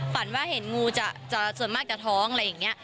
ฝันว่าเห็นงูส่วนมากจะท้องอะไรอย่างนี้